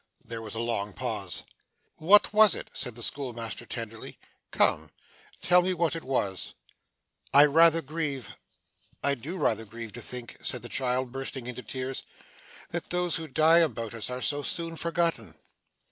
There was a long pause. 'What was it?' said the schoolmaster, tenderly. 'Come. Tell me what it was.' 'I rather grieve I do rather grieve to think,' said the child, bursting into tears, 'that those who die about us, are so soon forgotten.